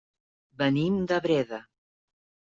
Venim de Breda.